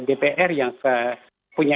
dpr yang punya